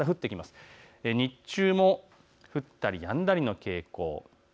日中も降ったりやんだりの傾向。